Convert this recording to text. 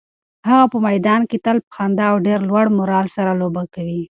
هغه په میدان کې تل په خندا او ډېر لوړ مورال سره لوبه کوي.